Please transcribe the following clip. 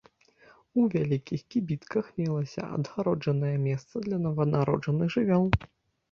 У вялікіх кібітках мелася адгароджанае месца для нованароджаных жывёл.